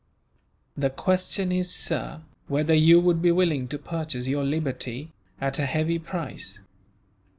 "The question is, sir, whether you would be willing to purchase your liberty, at a heavy price.